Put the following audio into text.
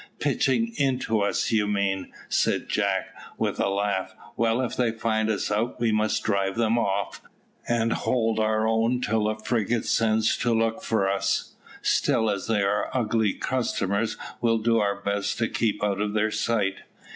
"Pitching into us, you mean," said Jack, with a laugh. "Well, if they find us out, we must drive them off, and hold our own till the frigate sends to look for us. Still as they are ugly customers, we'll do our best to keep out of their sight."